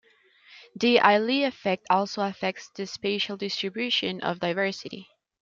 The Allee effect also affects the spatial distribution of diversity.